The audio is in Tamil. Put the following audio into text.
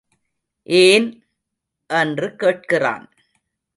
ஏன்? என்று கேட்கிறான்.